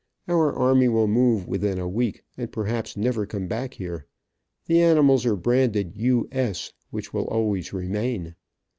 Our army will move within a week, and perhaps never come back here. The animals are branded 'U. S.' which will always remain.